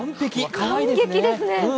感激ですね。